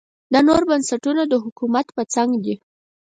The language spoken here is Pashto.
دا نور بنسټونه د حکومت په څنګ دي.